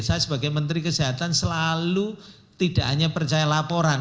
saya sebagai menteri kesehatan selalu tidak hanya percaya laporan